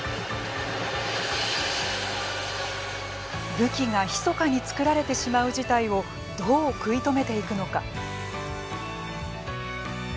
武器がひそかに造られてしまう事態をどう食い止めていくのか。